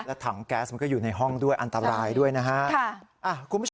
ถังแก๊สมันก็อยู่ในห้องด้วยอันตรายด้วยนะฮะ